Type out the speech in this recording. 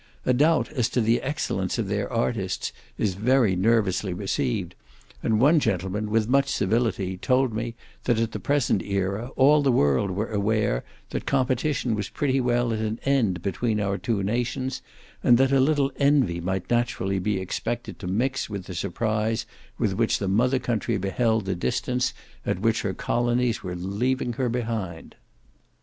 A doubt as to the excellence of their artists is very nervously received, and one gentleman, with much civility, told me, that at the present era, all the world were aware that competition was pretty well at an end between our two nations, and that a little envy might naturally be expected to mix with the surprise with which the mother country beheld the distance at which her colonies were leaving her behind them.